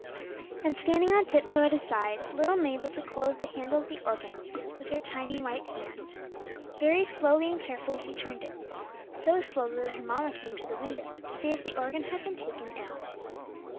And standing on tip toe at his side, little Mabel took hold of the handle of the organ with her tiny white hand. Very slowly and carefully she turned it, so slowly that her mamma came to the window to see if the organ boy had been taken ill.